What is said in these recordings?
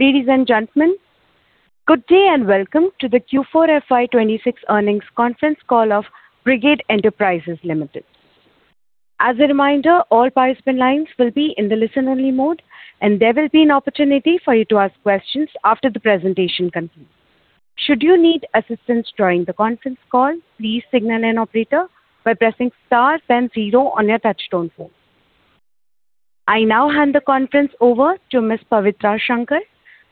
Ladies and gentlemen, good day. Welcome to the Q4 FY 2026 earnings conference call of Brigade Enterprises Limited. As a reminder, all participant lines will be in the listen-only mode. There will be an opportunity for you to ask questions after the presentation concludes. Should you need assistance during the conference call, please signal an operator by pressing star then zero on your touch-tone phone. I now hand the conference over to Ms. Pavitra Shankar,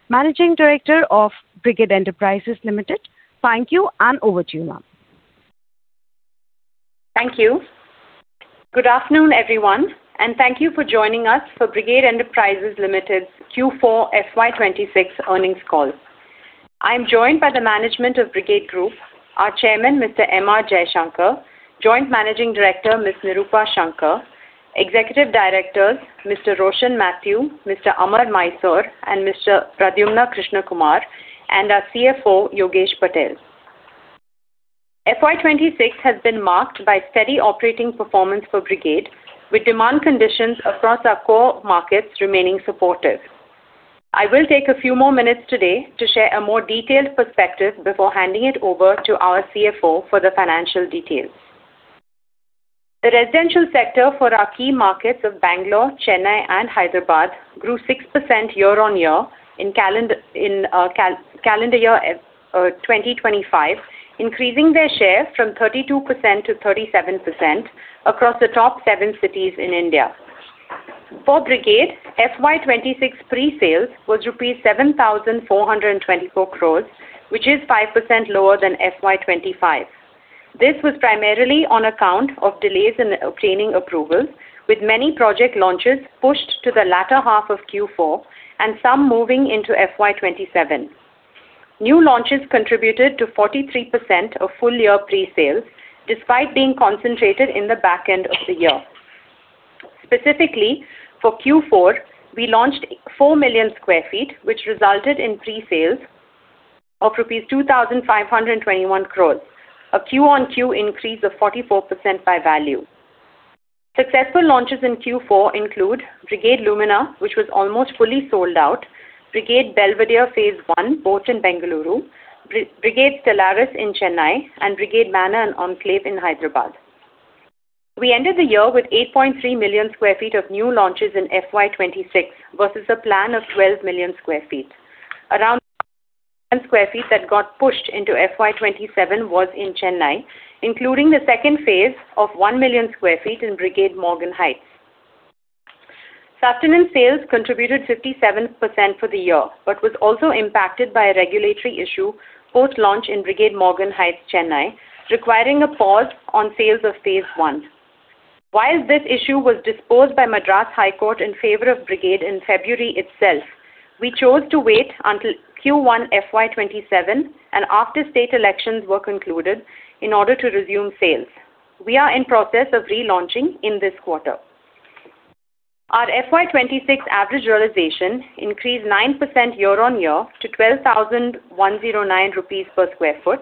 Managing Director of Brigade Enterprises Limited. Thank you. Over to you now. Thank you. Good afternoon, everyone, and thank you for joining us for Brigade Enterprises Limited's Q4 FY 2026 earnings call. I'm joined by the management of Brigade Group, our Chairman, Mr. M.R. Jaishankar, Joint Managing Director, Ms. Nirupa Shankar, Executive Directors, Mr. Roshin Mathew, Mr. Amar Mysore, and Mr. Pradyumna Krishnakumar, and our CFO, Yogesh Patel. FY 2026 has been marked by steady operating performance for Brigade, with demand conditions across our core markets remaining supportive. I will take a few more minutes today to share a more detailed perspective before handing it over to our CFO for the financial details. The residential sector for our key markets of Bangalore, Chennai, and Hyderabad grew 6% year-on-year in calendar year 2025, increasing their share from 32%-37% across the top seven cities in India. For Brigade, FY 2026 pre-sales was INR 7,424 crores, which is 5% lower than FY 2025. This was primarily on account of delays in obtaining approvals, with many project launches pushed to the latter half of Q4 and some moving into FY 2027. New launches contributed to 43% of full year pre-sales, despite being concentrated in the back end of the year. Specifically, for Q4, we launched 4 million sq ft, which resulted in pre-sales of rupees 2,521 crores, a Q-on-Q increase of 44% by value. Successful launches in Q4 include Brigade Lumina, which was almost fully sold out, Brigade Belvedere Phase One, both in Bengaluru, Brigade Stellaris in Chennai, and Brigade Manor and Enclave in Hyderabad. We ended the year with 8.3 million sq ft of new launches in FY 2026 versus a plan of 12 million sq ft. Around 1 million sq ft that got pushed into FY 2027 was in Chennai, including the second phase of 1 million sq ft in Brigade Morgan Heights. Sustenance sales contributed 57% for the year, but was also impacted by a regulatory issue post-launch in Brigade Morgan Heights, Chennai, requiring a pause on sales of phase I. While this issue was disposed by Madras High Court in favor of Brigade in February itself, we chose to wait until Q1 FY 2027 and after state elections were concluded in order to resume sales. We are in process of relaunching in this quarter. Our FY 2026 average realization increased 9% year-on-year to 12,109 rupees per square foot.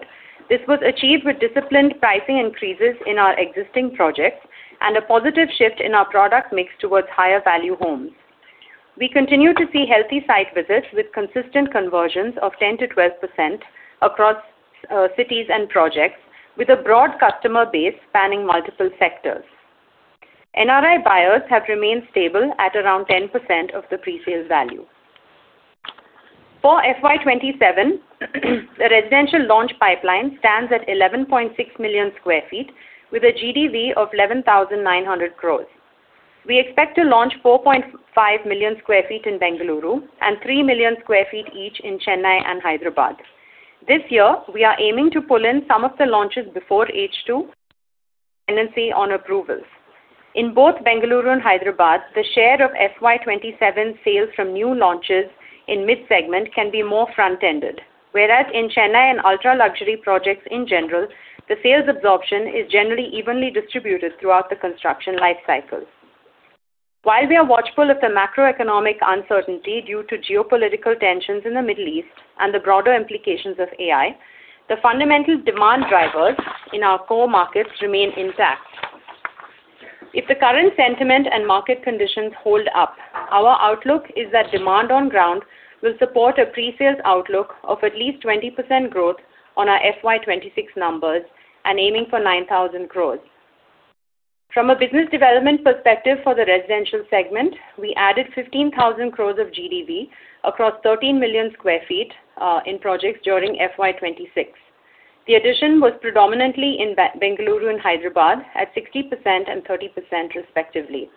This was achieved with disciplined pricing increases in our existing projects and a positive shift in our product mix towards higher value homes. We continue to see healthy site visits with consistent conversions of 10%-12% across cities and projects with a broad customer base spanning multiple sectors. NRI buyers have remained stable at around 10% of the pre-sale value. For FY 2027, the residential launch pipeline stands at 11.6 million sq ft with a GDV of 11,900 crores. We expect to launch 4.5 million sq ft in Bengaluru and 3 million sq ft each in Chennai and Hyderabad. This year, we are aiming to pull in some of the launches before H2 depending on approvals. In both Bengaluru and Hyderabad, the share of FY 2027 sales from new launches in mid-segment can be more front-ended. Whereas in Chennai and ultra-luxury projects in general, the sales absorption is generally evenly distributed throughout the construction life cycles. While we are watchful of the macroeconomic uncertainty due to geopolitical tensions in the Middle East and the broader implications of AI, the fundamental demand drivers in our core markets remain intact. If the current sentiment and market conditions hold up, our outlook is that demand on ground will support a pre-sales outlook of at least 20% growth on our FY 2026 numbers and aiming for 9,000 crores. From a business development perspective for the residential segment, we added 15,000 crores of GDV across 13 million sq ft in projects during FY 2026. The addition was predominantly in Bengaluru and Hyderabad at 60% and 30% respectively.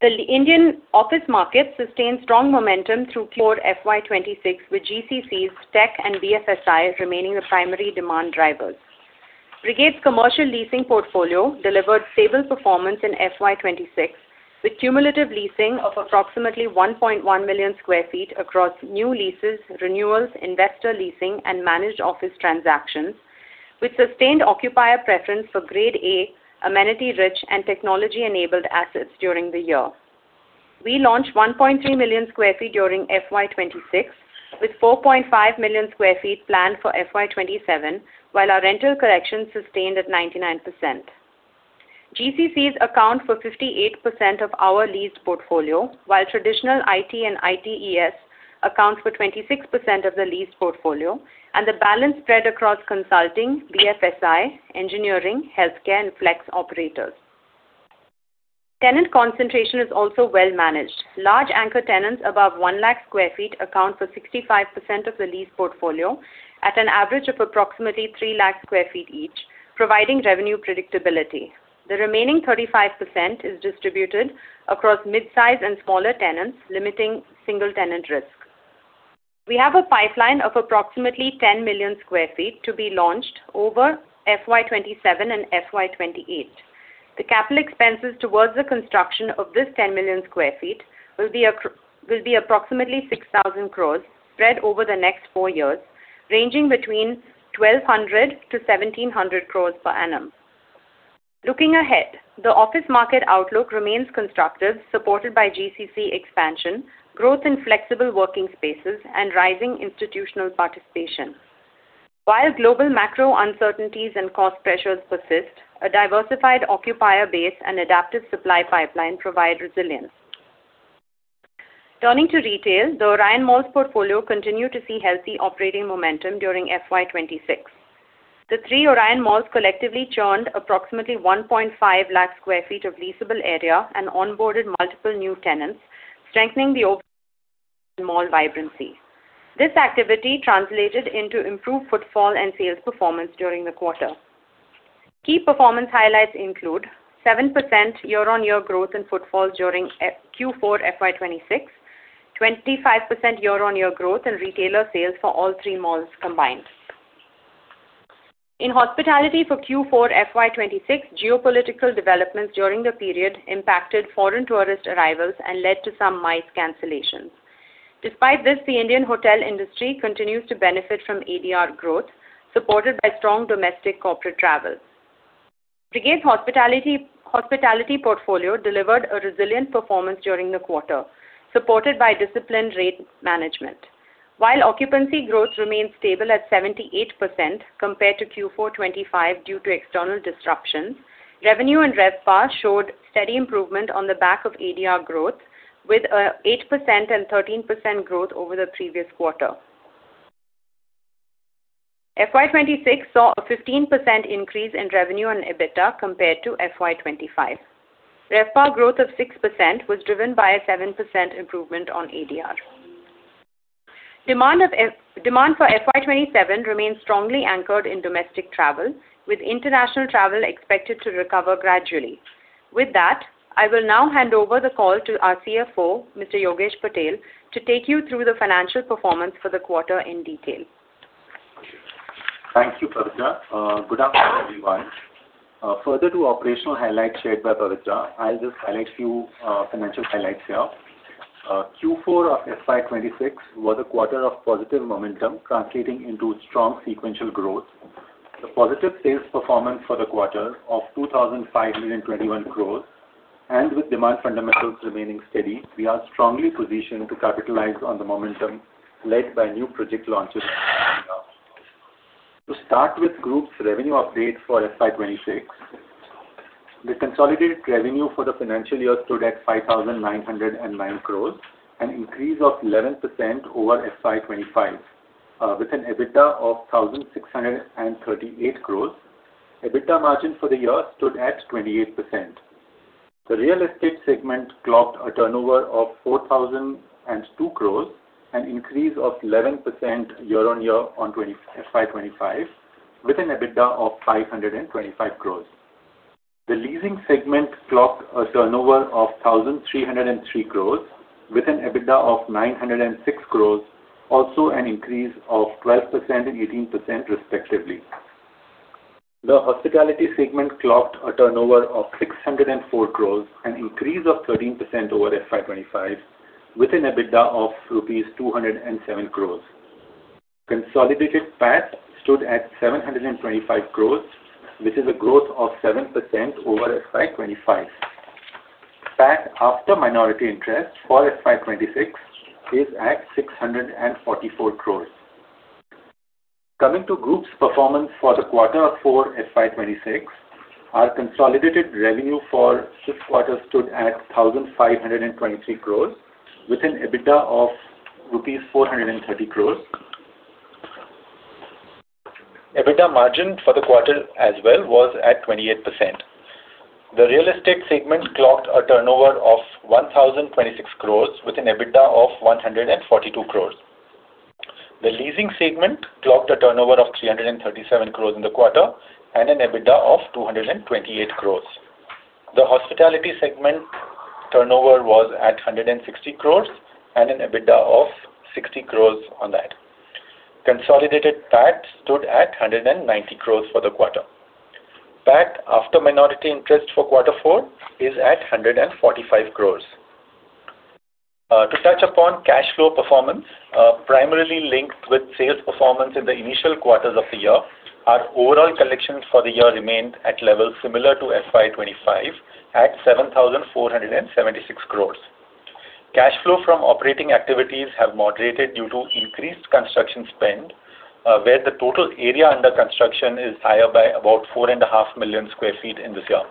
The Indian office market sustained strong momentum through Q4 FY 2026, with GCCs, tech, and BFSI remaining the primary demand drivers. Brigade's commercial leasing portfolio delivered stable performance in FY 2026, with cumulative leasing of approximately 1.1 million sq ft across new leases, renewals, investor leasing, and managed office transactions, with sustained occupier preference for Grade A, amenity-rich, and technology-enabled assets during the year. We launched 1.3 million sq ft during FY 2026, with 4.5 million sq ft planned for FY 2027, while our rental collection sustained at 99%. GCCs account for 58% of our leased portfolio, while traditional IT and ITES account for 26% of the leased portfolio, and the balance spread across consulting, BFSI, engineering, healthcare, and flex operators. Tenant concentration is also well managed. Large anchor tenants above 1 lakh sq ft account for 65% of the leased portfolio at an average of approximately 3 lakh sq ft each, providing revenue predictability. The remaining 35% is distributed across midsize and smaller tenants, limiting single tenant risk. We have a pipeline of approximately 10 million sq ft to be launched over FY 2027 and FY 2028. The capital expenses towards the construction of this 10 million sq ft will be approximately 6,000 crores spread over the next four years, ranging between 1,200-1,700 crores per annum. Looking ahead, the office market outlook remains constructive, supported by GCC expansion, growth in flexible working spaces, and rising institutional participation. While global macro uncertainties and cost pressures persist, a diversified occupier base and adaptive supply pipeline provide resilience. Turning to retail, the Orion Malls portfolio continued to see healthy operating momentum during FY 2026. The three Orion malls collectively churned approximately 1.5 lakh sq ft of leasable area and onboarded multiple new tenants, strengthening the overall mall vibrancy. This activity translated into improved footfall and sales performance during the quarter. Key performance highlights include 7% year-on-year growth in footfall during Q4 FY 2026, 25% year-on-year growth in retailer sales for all three malls combined. In hospitality for Q4 FY 2026, geopolitical developments during the period impacted foreign tourist arrivals and led to some MICE cancellations. Despite this, the Indian hotel industry continues to benefit from ADR growth, supported by strong domestic corporate travel. Brigade's hospitality portfolio delivered a resilient performance during the quarter, supported by disciplined rate management. While occupancy growth remains stable at 78% compared to Q4 2025 due to external disruptions, revenue and RevPAR showed steady improvement on the back of ADR growth with 8% and 13% growth over the previous quarter. FY 2026 saw a 15% increase in revenue and EBITDA compared to FY 2025. RevPAR growth of 6% was driven by a 7% improvement on ADR. Demand for FY 2027 remains strongly anchored in domestic travel, with international travel expected to recover gradually. With that, I will now hand over the call to our CFO, Mr. Yogesh Patel, to take you through the financial performance for the quarter in detail. Thank you, Pavitra. Good afternoon, everyone. Further to operational highlights shared by Pavitra, I'll just highlight few financial highlights here. Q4 of FY 2026 was a quarter of positive momentum translating into strong sequential growth. The positive sales performance for the quarter of 2,521 crores, and with demand fundamentals remaining steady, we are strongly positioned to capitalize on the momentum led by new project launches coming up. To start with group's revenue update for FY 2026, the consolidated revenue for the financial year stood at 5,909 crores, an increase of 11% over FY 2025. With an EBITDA of 1,638 crores. EBITDA margin for the year stood at 28%. The real estate segment clocked a turnover of 4,002 crores, an increase of 11% year-on-year on FY 2025, with an EBITDA of 525 crores. The leasing segment clocked a turnover of 1,303 crores with an EBITDA of 906 crores, also an increase of 12% and 18% respectively. The hospitality segment clocked a turnover of 604 crores, an increase of 13% over FY 2025, with an EBITDA of rupees 207 crores. Consolidated PAT stood at 725 crores, which is a growth of 7% over FY 2025. PAT after minority interest for FY 2026 is at 644 crores. Coming to Group's performance for the quarter four FY 2026, our consolidated revenue for this quarter stood at 1,523 crores with an EBITDA of rupees 430 crores. EBITDA margin for the quarter as well was at 28%. The real estate segment clocked a turnover of 1,026 crores with an EBITDA of 142 crores. The leasing segment clocked a turnover of 337 crores in the quarter and an EBITDA of 228 crores. The hospitality segment turnover was at 160 crores and an EBITDA of 60 crores on that. Consolidated PAT stood at 190 crores for the quarter. PAT after minority interest for quarter four is at 145 crores. To touch upon cash flow performance, primarily linked with sales performance in the initial quarters of the year, our overall collections for the year remained at levels similar to FY 2025 at 7,476 crores. Cash flow from operating activities have moderated due to increased construction spend, where the total area under construction is higher by about 4.5 million sq ft in this year.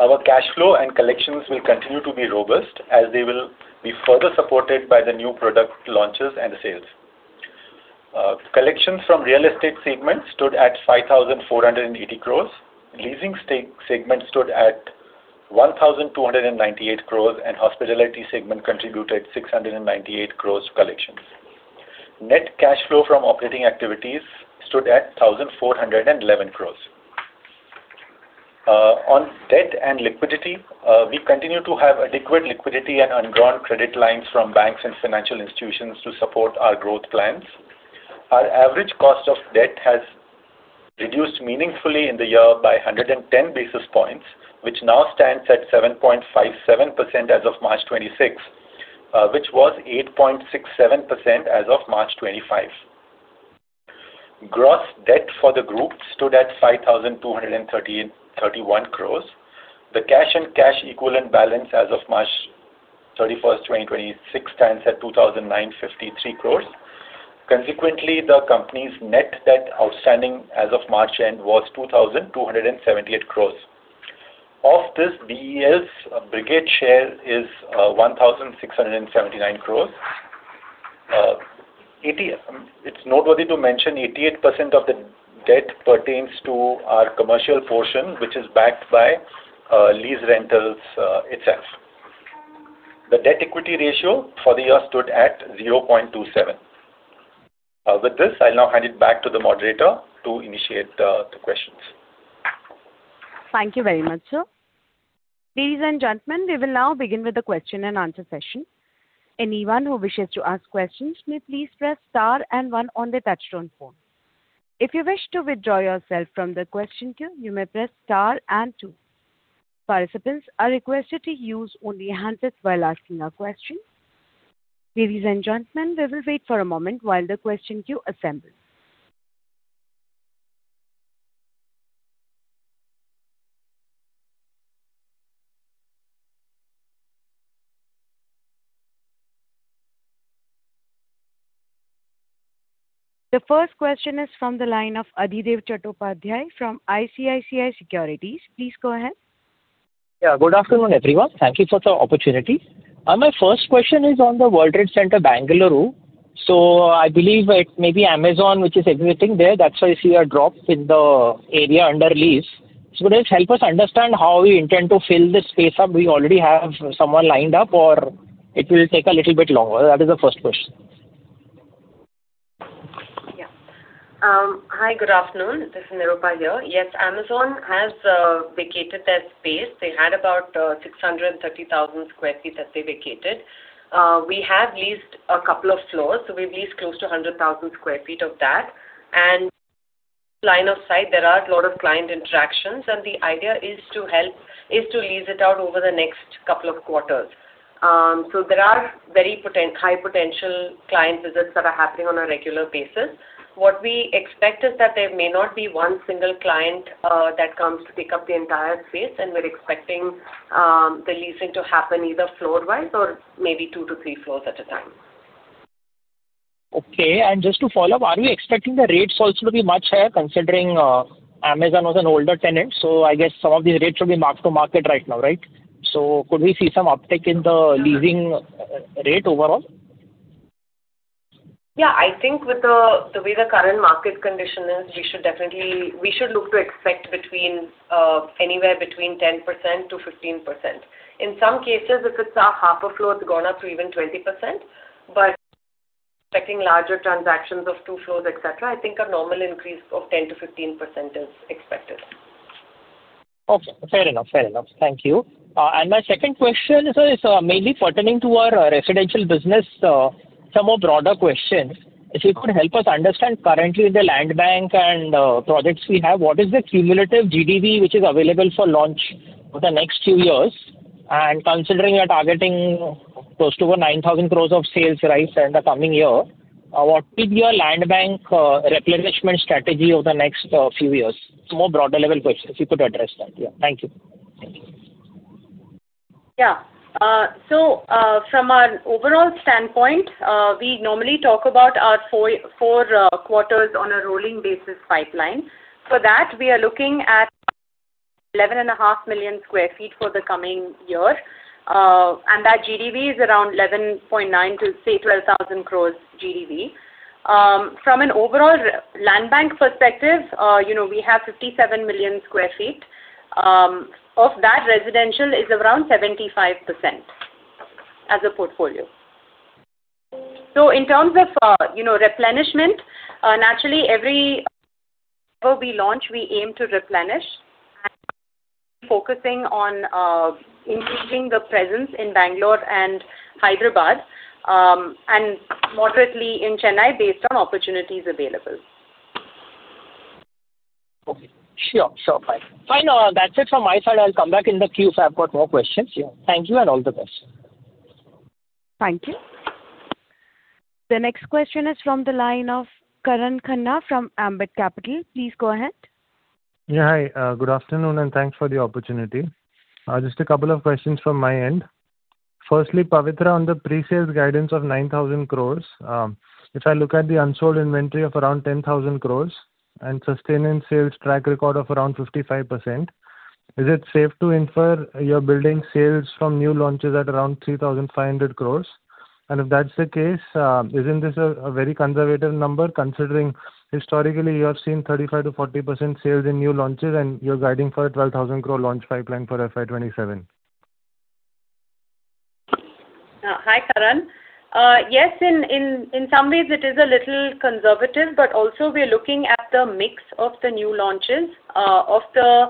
Our cash flow and collections will continue to be robust as they will be further supported by the new product launches and sales. Collections from real estate segment stood at 5,480 crores. Leasing segment stood at 1,298 crores, and hospitality segment contributed 698 crores collections. Net cash flow from operating activities stood at 1,411 crores. On debt and liquidity, we continue to have adequate liquidity and undrawn credit lines from banks and financial institutions to support our growth plans. Our average cost of debt has reduced meaningfully in the year by 110 basis points, which now stands at 7.57% as of March 2026, which was 8.67% as of March 2025. Gross debt for the group stood at 5,231 crores. The cash and cash equivalent balance as of March 31st, 2026 stands at 2,953 crores. Consequently, the company's net debt outstanding as of March end was 2,278 crores. Of this, BEL's Brigade share is 1,679 crores. It's noteworthy to mention 88% of the debt pertains to our commercial portion, which is backed by lease rentals itself. The debt equity ratio for the year stood at 0.27. With this, I'll now hand it back to the moderator to initiate the questions. Thank you very much, sir. Ladies and gentlemen, we will now begin with the question-and-answer session. Anyone who wishes to ask questions may please press star and one on their touchtone phone. If you wish to withdraw yourself from the question queue, you may press star and two. Participants are requested to use only hands-up while asking a question. Ladies and gentlemen, we will wait for a moment while the question queue assembles. The first question is from the line of Adhidev Chattopadhyay from ICICI Securities. Please go ahead. Yeah. Good afternoon, everyone. Thank you for the opportunity. My first question is on the World Trade Center Bengaluru. I believe it may be Amazon which is vacating there. That's why you see a drop in the area under lease. Could you just help us understand how you intend to fill this space up? Do you already have someone lined up or it will take a little bit longer? That is the first question. Hi. Good afternoon. This is Nirupa here. Yes, Amazon has vacated their space. They had about 630,000 sq ft that they vacated. We have leased a couple of floors. We've leased close to 100,000 sq ft of that. Line of sight, there are a lot of client interactions, and the idea is to lease it out over the next couple of quarters. There are very high potential client visits that are happening on a regular basis. What we expect is that there may not be one single client that comes to pick up the entire space, and we're expecting the leasing to happen either floor-wise or maybe two to three floors at a time. Okay. Just to follow up, are we expecting the rates also to be much higher considering Amazon was an older tenant? I guess some of these rates should be mark to market right now, right? Could we see some uptick in the leasing rate overall? Yeah, I think with the way the current market condition is, we should definitely look to expect anywhere between 10%-15%. In some cases, if it's half a floor, it's gone up to even 20%. Expecting larger transactions of two floors, etc, I think a normal increase of 10%-15% is expected. Okay. Fair enough. Fair enough. Thank you. My second question is mainly pertaining to our residential business, some more broader questions. If you could help us understand currently the land bank and projects we have, what is the cumulative GDV which is available for launch over the next few years? Considering you're targeting close to over 9,000 crores of sales, right, in the coming year, what is your land bank replenishment strategy over the next few years? Some more broader level questions, if you could address that. Yeah. Thank you. From an overall standpoint, we normally talk about our four quarters on a rolling basis pipeline. For that, we are looking at 11.5 million sq ft for the coming year. That GDV is around 11.9 to, say, 12,000 crores GDV. From an overall land bank perspective, you know, we have 57 million sq ft. Of that, residential is around 75% as a portfolio. In terms of, you know, replenishment, naturally every quarter we launch, we aim to replenish and focusing on increasing the presence in Bangalore and Hyderabad, moderately in Chennai based on opportunities available. Okay. Sure. Sure. Fine. Fine, that's it from my side. I'll come back in the queue if I've got more questions. Yeah. Thank you and all the best. Thank you. The next question is from the line of Karan Khanna from Ambit Capital. Please go ahead. Yeah, hi. Good afternoon, thanks for the opportunity. Just a couple of questions from my end. Firstly, Pavitra, on the pre-sales guidance of 9,000 crores, if I look at the unsold inventory of around 10,000 crores and sustaining sales track record of around 55%, is it safe to infer you're building sales from new launches at around 3,500 crores? If that's the case, isn't this a very conservative number considering historically you have seen 35%-40% sales in new launches and you're guiding for a 12,000 crore launch pipeline for FY 2027? Hi, Karan. Yes, in some ways it is a little conservative, also we are looking at the mix of the new launches. Of the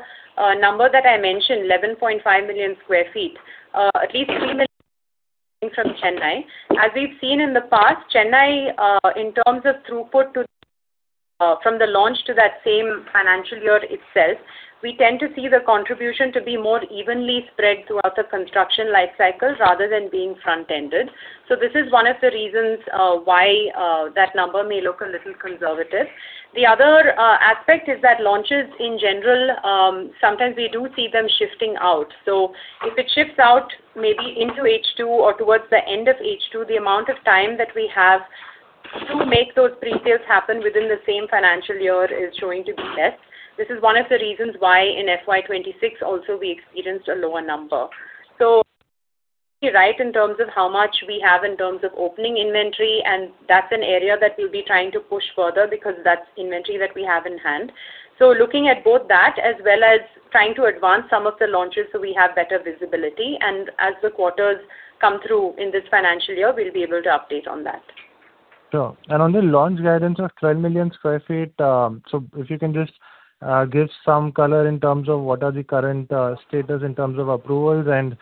number that I mentioned, 11.5 million sq ft, at least 3 million from Chennai. As we've seen in the past, Chennai, in terms of throughput to, from the launch to that same financial year itself, we tend to see the contribution to be more evenly spread throughout the construction life cycle rather than being front-ended. This is one of the reasons why that number may look a little conservative. The other aspect is that launches in general, sometimes we do see them shifting out. If it shifts out maybe into H2 or towards the end of H2, the amount of time that we have to make those pre-sales happen within the same financial year is going to be less. This is one of the reasons why in FY 2026 also we experienced a lower number. You're right in terms of how much we have in terms of opening inventory, and that's an area that we'll be trying to push further because that's inventory that we have in hand. Looking at both that as well as trying to advance some of the launches so we have better visibility, and as the quarters come through in this financial year, we'll be able to update on that. Sure. On the launch guidance of 12 million sq ft, so if you can just give some color in terms of what are the current status in terms of approvals and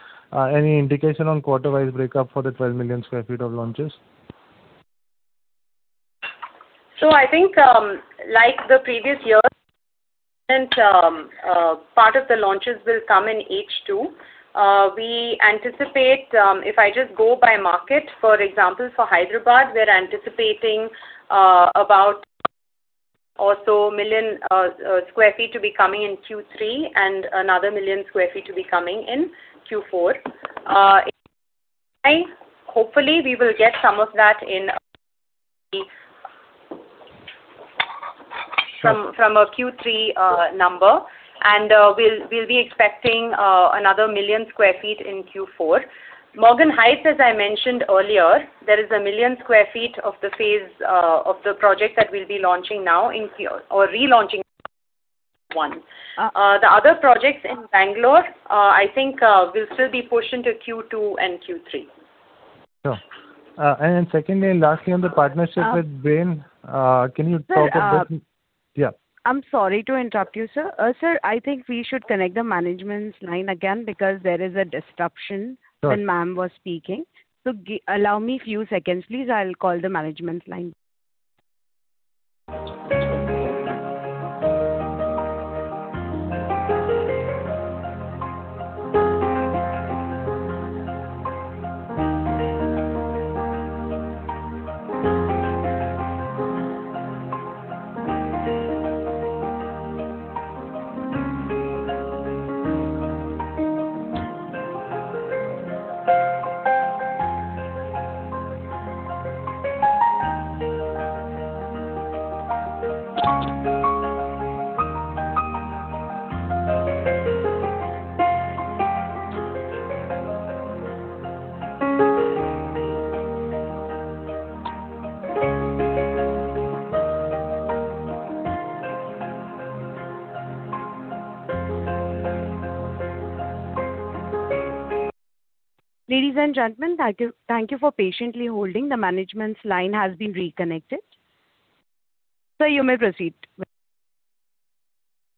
any indication on quarter-wise breakup for the 12 million sq ft of launches? I think, like the previous years, part of the launches will come in H2. We anticipate, if I just go by market, for example, for Hyderabad, we're anticipating about 1 million sq ft to be coming in Q3 and another 1 million sq ft to be coming in Q4. Hopefully we will get some of that in from a Q3 number, and we'll be expecting another 1 million sq ft in Q4. Brigade Morgan Heights, as I mentioned earlier, there is 1 million sq ft of the phase of the project that we'll be launching now or relaunching one. The other projects in Bangalore, I think, will still be pushed into Q2 and Q3. Sure. Then secondly and lastly, on the partnership with Bain, can you talk about? Sir. Yeah. I'm sorry to interrupt you, sir. Sir, I think we should connect the management's line again because there is a disruption. Sure. when ma'am was speaking. Allow me a few seconds, please. I'll call the management line. Ladies and gentlemen, thank you for patiently holding. The management's line has been reconnected. Sir, you may proceed.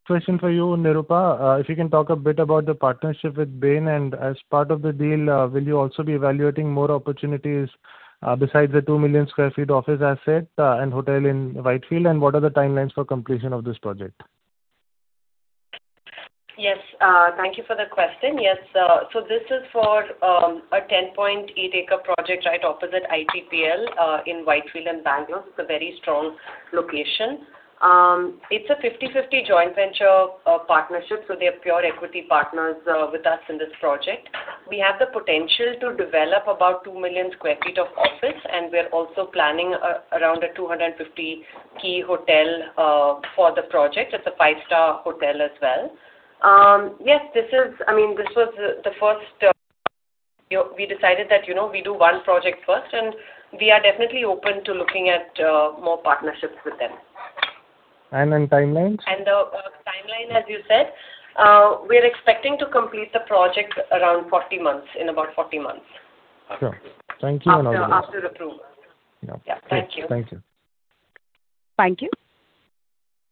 Question for you, Nirupa. If you can talk a bit about the partnership with Bain, and as part of the deal, will you also be evaluating more opportunities, besides the 2 million sq ft office asset, and hotel in Whitefield, and what are the timelines for completion of this project? Thank you for the question. This is for a 10-acre project right opposite ITPL in Whitefield in Bangalore. It's a very strong location. It's a 50/50 joint venture partnership, so they're pure equity partners with us in this project. We have the potential to develop about 2 million sq ft of office, and we're also planning around a 250 key hotel for the project. It's a five-star hotel as well. This was the first, we decided that, you know, we do one project first, and we are definitely open to looking at more partnerships with them. Timelines? Timeline, as you said, we're expecting to complete the project around 40 months, in about 40 months. Sure. Thank you. After approval. Yeah. Yeah. Thank you. Thank you. Thank you.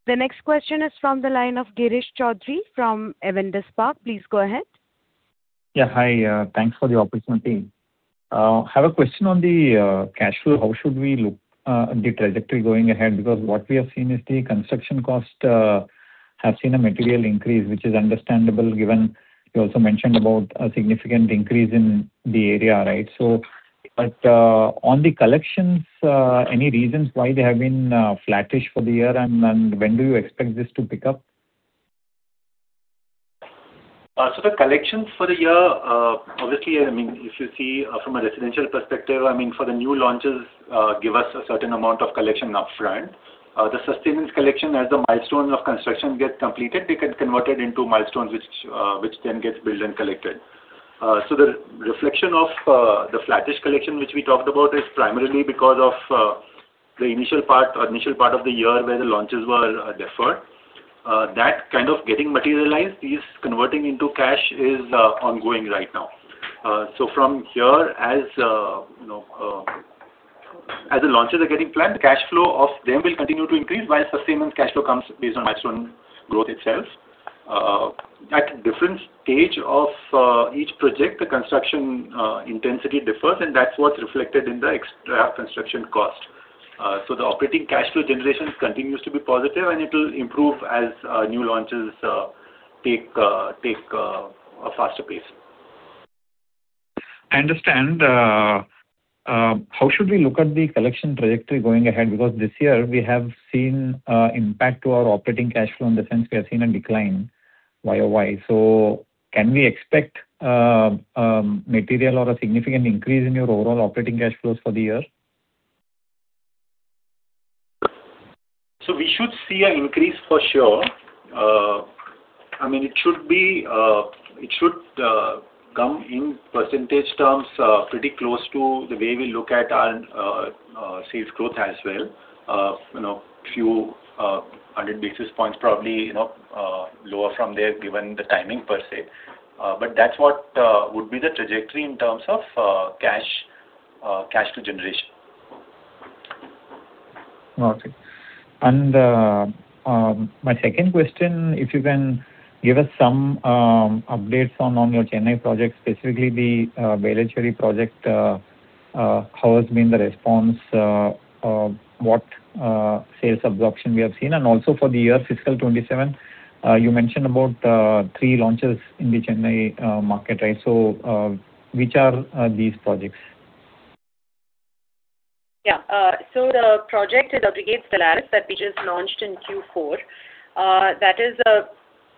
The next question is from the line of Girish Choudhary from Avendus Spark. Please go ahead. Yeah, hi. Thanks for the opportunity. Have a question on the cash flow. How should we look the trajectory going ahead, what we have seen is the construction cost has seen a material increase, which is understandable given you also mentioned about a significant increase in the area, right? On the collections, any reasons why they have been flattish for the year and when do you expect this to pick up? The collections for the year, obviously, I mean, if you see, from a residential perspective, I mean, for the new launches, give us a certain amount of collection upfront. The sustenance collection, as the milestones of construction get completed, they get converted into milestones which then gets billed and collected. The reflection of the flattish collection which we talked about is primarily because of the initial part or initial part of the year where the launches were deferred. That kind of getting materialized is converting into cash is ongoing right now. From here, as, you know, as the launches are getting planned, cash flow of them will continue to increase while sustenance cash flow comes based on milestone growth itself. At different stage of each project, the construction intensity differs, and that's what's reflected in the extra construction cost. The operating cash flow generation continues to be positive, and it'll improve as new launches take a faster pace. I understand. How should we look at the collection trajectory going ahead? This year we have seen impact to our operating cash flow, in the sense we have seen a decline YoY. Can we expect material or a significant increase in your overall operating cash flows for the year? We should see an increase for sure. I mean, it should be, it should come in percentage terms, pretty close to the way we look at our sales growth as well. You know, few, 100 basis points probably, you know, lower from there, given the timing per se. That's what would be the trajectory in terms of cash flow generation. Okay. My second question, if you can give us some updates on your Chennai projects, specifically the Velachery project. How has been the response? What sales absorption we have seen? Also for the year fiscal 2027, you mentioned about three launches in the Chennai market, right? Which are these projects? Yeah. The project is Brigade Stellaris that we just launched in Q4. That is a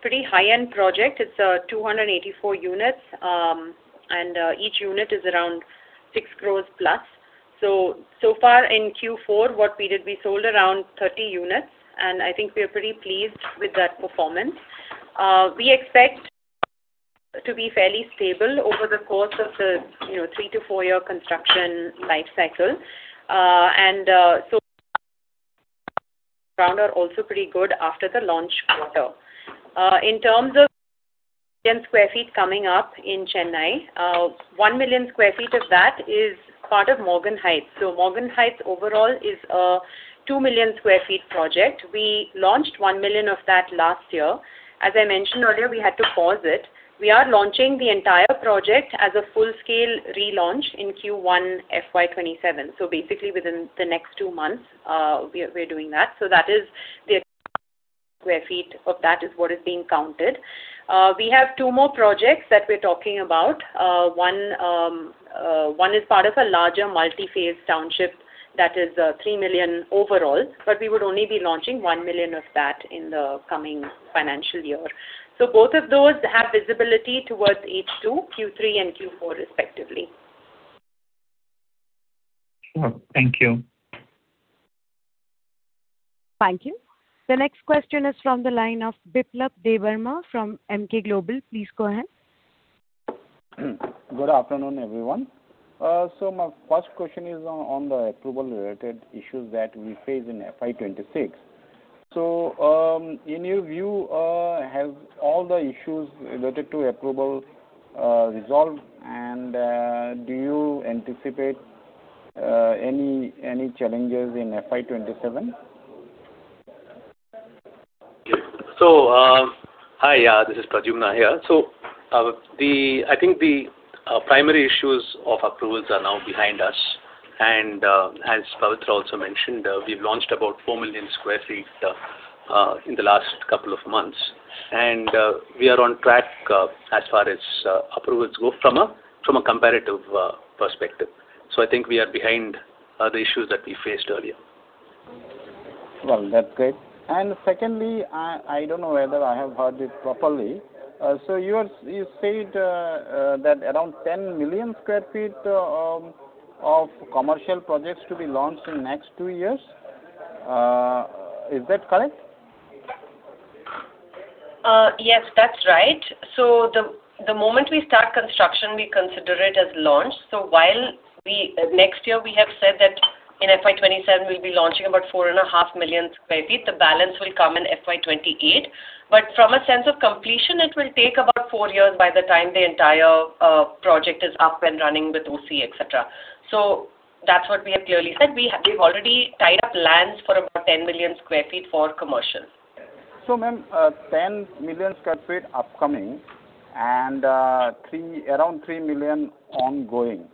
pretty high-end project. It's 284 units, and each unit is around 6 crores+. So far in Q4, what we did, we sold around 30 units, and I think we are pretty pleased with that performance. We expect to be fairly stable over the course of the, you know, three to four year construction life cycle, and are also pretty good after the launch quarter. In terms of sq ft coming up in Chennai, 1 million sq ft of that is part of Brigade Morgan Heights. Brigade Morgan Heights overall is a 2 million sq ft project. We launched 1 million of that last year. As I mentioned earlier, we had to pause it. We are launching the entire project as a full-scale relaunch in Q1 FY 2027. Basically, within the next two months, we are doing that. That is the sq ft of that is what is being counted. We have two more projects that we're talking about. One is part of a larger multi-phase township that is 3 million overall, but we would only be launching 1 million of that in the coming financial year. Both of those have visibility towards H2, Q3, and Q4 respectively. Sure. Thank you. Thank you. The next question is from the line of Biplab Debbarma from Emkay Global. Please go ahead. Good afternoon, everyone. My first question is on the approval-related issues that we faced in FY 2026. In your view, have all the issues related to approval resolved? Do you anticipate any challenges in FY 2027? Hi, this is Pradyumna here. I think the primary issues of approvals are now behind us. As Pavitra also mentioned, we've launched about 4 million sq ft in the last couple of months. We are on track as far as approvals go from a comparative perspective. I think we are behind the issues that we faced earlier. Well, that's great. Secondly, I don't know whether I have heard it properly. You said that around 10 million sq ft of commercial projects to be launched in next two years. Is that correct? Yes, that's right. The moment we start construction, we consider it as launched. While next year we have said that in FY 2027 we'll be launching about 4.5 million sq ft. The balance will come in FY 2028. From a sense of completion, it will take about four years by the time the entire project is up and running with OC, etc. That's what we have clearly said. We've already tied up lands for about 10 million sq ft for commercial. Ma'am, 10 million sq ft upcoming and around 3 million ongoing.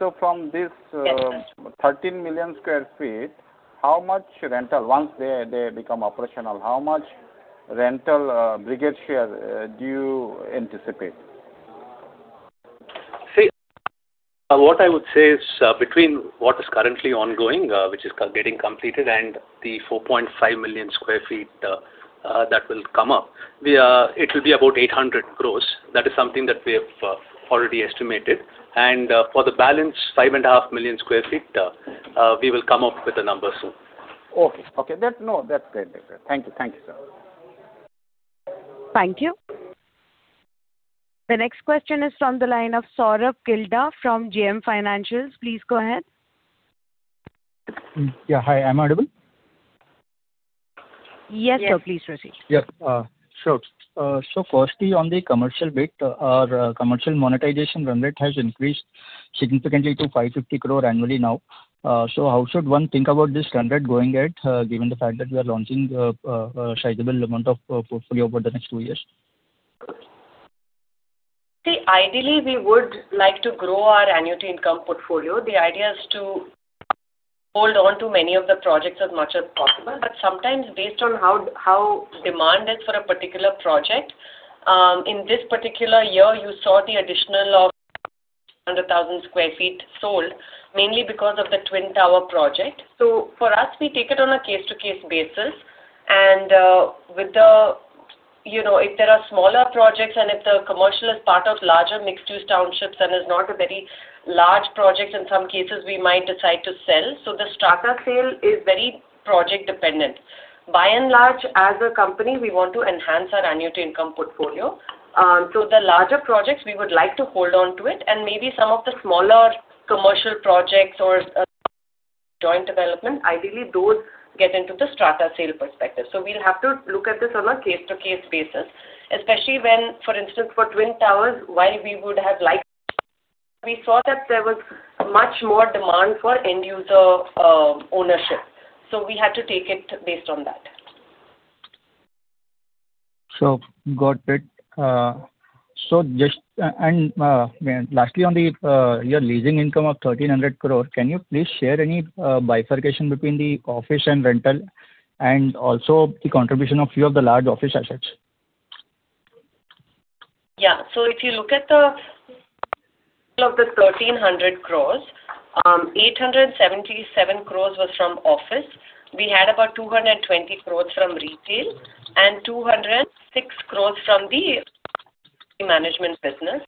Yes. 13 million sq ft, how much rental, once they become operational, how much rental, Brigade share do you anticipate? See, what I would say is, between what is currently ongoing, which is getting completed, and the 4.5 million sq ft that will come up, we, it'll be about 800 crores. That is something that we have already estimated. For the balance, 5.5 million sq ft, we will come up with a number soon. Okay. Okay. That's great. Thank you. Thank you, sir. Thank you. The next question is from the line of Sourabh Gilda from JM Financial. Please go ahead. Yeah. Hi, am I audible? Yes, sir. Please proceed. Yes. Sure. Firstly, on the commercial bit, our commercial monetization run rate has increased significantly to 550 crore annually now. How should one think about this run rate going ahead, given the fact that we are launching a sizable amount of portfolio over the next two years? Ideally, we would like to grow our annuity income portfolio. The idea is to hold on to many of the projects as much as possible. Sometimes based on how demand is for a particular project, in this particular year, you saw the additional of 100,000 sq ft sold, mainly because of the Twin Tower project. For us, we take it on a case to case basis. With the, you know, if there are smaller projects and if the commercial is part of larger mixed-use townships and is not a very large project, in some cases we might decide to sell. The strata sale is very project dependent. By and large, as a company, we want to enhance our annuity income portfolio. The larger projects, we would like to hold on to it and maybe some of the smaller commercial projects or joint development, ideally those get into the strata sale perspective. We'll have to look at this on a case-to-case basis, especially when, for instance, for Twin Towers, while we would have liked, we saw that there was much more demand for end user ownership, we had to take it based on that. Got it. Just, and lastly on the, your leasing income of 1,300 crore, can you please share any bifurcation between the office and retail and also the contribution of few of the large office assets? Yeah. If you look at the of the 1,300 crores, 877 crores was from office. We had about 220 crores from retail and 206 crores from the management business.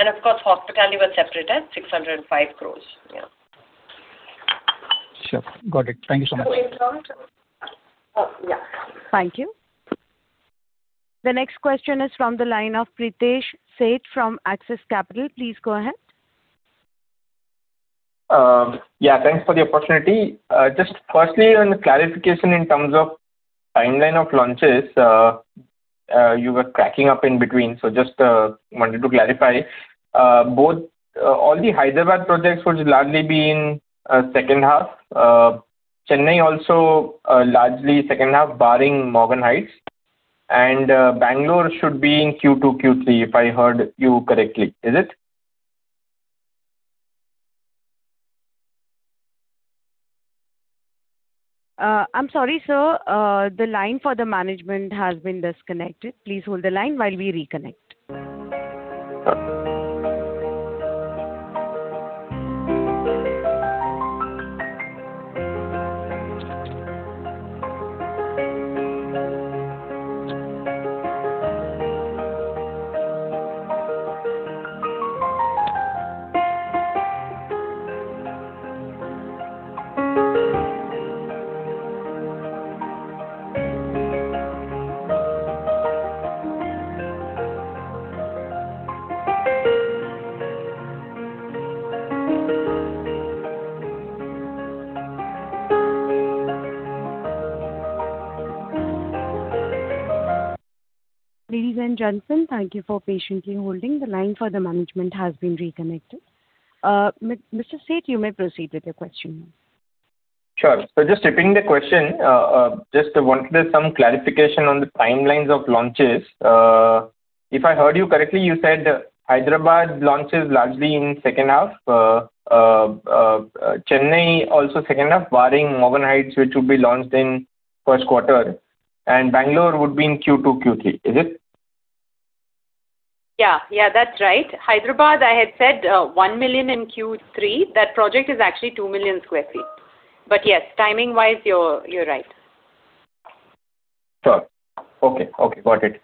Of course, hospitality was separate at 605 crores. Yeah. Sure. Got it. Thank you so much. Yeah. Thank you. The next question is from the line of Pritesh Sheth from Axis Capital. Please go ahead. Yeah, thanks for the opportunity. Just firstly on the clarification in terms of timeline of launches, you were cracking up in between, so just wanted to clarify. Both, all the Hyderabad projects would largely be in second half. Chennai also, largely second half, barring Morgan Heights. Bangalore should be in Q2, Q3, if I heard you correctly. Is it? I'm sorry, sir. The line for the management has been disconnected. Please hold the line while we reconnect. Ladies and gentlemen, thank you for patiently holding. The line for the management has been reconnected. Mr. Sheth, you may proceed with your question now. Sure. Just repeating the question, just wanted some clarification on the timelines of launches. If I heard you correctly, you said Hyderabad launch is largely in second half. Chennai also second half, barring Morgan Heights, which would be launched in first quarter. Bangalore would be in Q2, Q3. Is it? Yeah. Yeah. That's right. Hyderabad, I had said, 1 million in Q3. That project is actually 2 million sq ft. Yes, timing wise, you're right. Sure. Okay. Okay. Got it.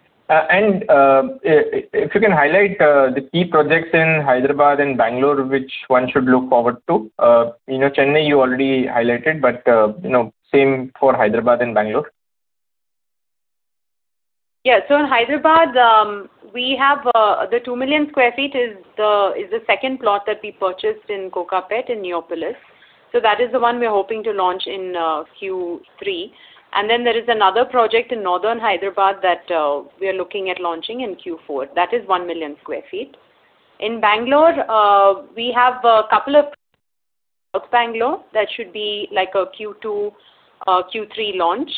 If you can highlight the key projects in Hyderabad and Bangalore, which one should look forward to? You know, Chennai you already highlighted, but, you know, same for Hyderabad and Bangalore. In Hyderabad, we have the 2 million sq ft is the second plot that we purchased in Kokapet in Neopolis. That is the one we are hoping to launch in Q3. Then there is another project in northern Hyderabad that we are looking at launching in Q4. That is 1 million sq ft. In Bangalore, we have a couple of Bangalore that should be like a Q2 Q3 launch.